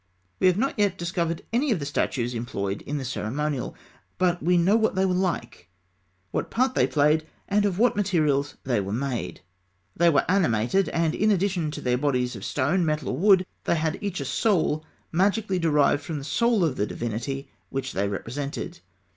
We have not as yet discovered any of the statues employed in the ceremonial, but we know what they were like, what part they played, and of what materials they were made. They were animated, and in addition to their bodies of stone, metal, or wood, they had each a soul magically derived from the soul of the divinity which they represented.